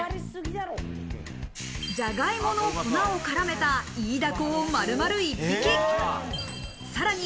じゃがいもの粉を絡めたイイダコを丸々１匹。